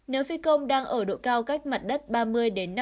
nếu phi công đang ở độ cao cách mặt đất ba mươi năm m